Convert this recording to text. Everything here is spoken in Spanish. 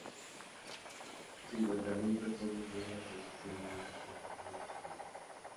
Cincuenta mil personas negras asistieron a su funeral en Chicago.